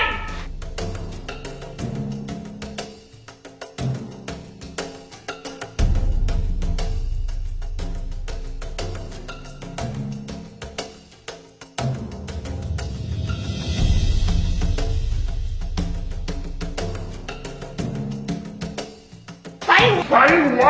ใส่หัว